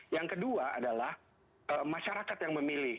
yang kedua adalah masyarakat yang memilih